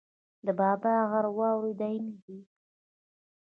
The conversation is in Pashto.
د بابا غر واورې دایمي دي